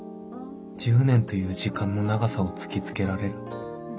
１０年という時間の長さを突き付けられる